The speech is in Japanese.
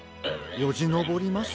よじのぼります？